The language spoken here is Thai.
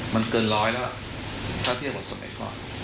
มันเกินร้อยแล้วถ้าเทียบกับสมัยก่อน